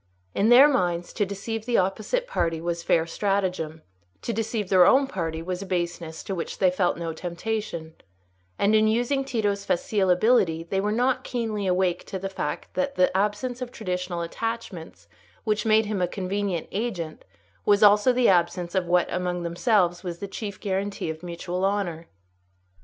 In their minds, to deceive the opposite party was fair stratagem; to deceive their own party was a baseness to which they felt no temptation; and, in using Tito's facile ability, they were not keenly awake to the fact that the absence of traditional attachments which made him a convenient agent was also the absence of what among themselves was the chief guarantee of mutual honour.